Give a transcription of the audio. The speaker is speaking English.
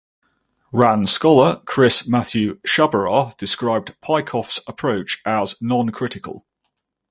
Rand scholar Chris Matthew Sciabarra described Peikoff's approach as "noncritical".